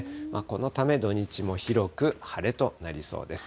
このため、土日も広く晴れとなりそうです。